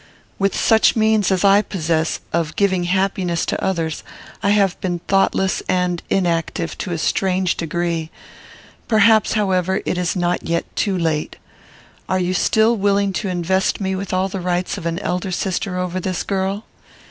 With such means as I possess, of giving happiness to others, I have been thoughtless and inactive to a strange degree; perhaps, however, it is not yet too late. Are you still willing to invest me with all the rights of an elder sister over this girl?